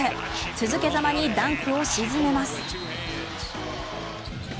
続けざまにダンクを沈めます。